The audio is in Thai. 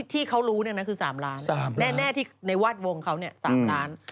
ที่เขารู้คือ๓ล้านแน่ที่ในแวดวงเขา๓ล้าน